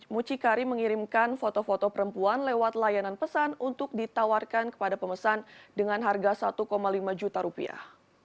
mucikari mengirimkan foto foto perempuan lewat layanan pesan untuk ditawarkan kepada pemesan dengan harga satu lima juta rupiah